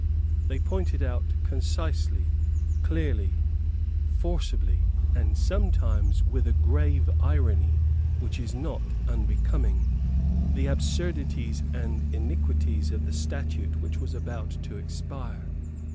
They pointed out concisely, clearly, forcibly, and sometimes with a grave irony which is not unbecoming, the absurdities and iniquities of the statute which was about to expire.